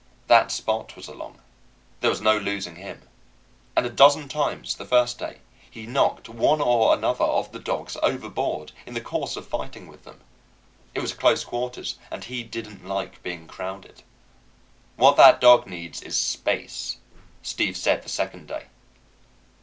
That Spot was along there was no losing him; and a dozen times, the first day, he knocked one or another of the dogs overboard in the course of fighting with them. It was close quarters, and he didn't like being crowded. "What that dog needs is space," Steve said the second day.